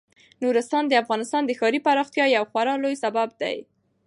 نورستان د افغانستان د ښاري پراختیا یو خورا لوی سبب دی.